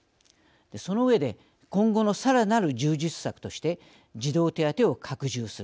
その上で、今後のさらなる充実策として児童手当を拡充する。